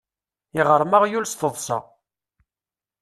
Iɣrem aɣyul s teḍṣa.